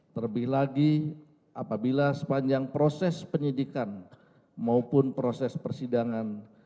terlebih lagi apabila sepanjang proses penyidikan maupun proses persidangan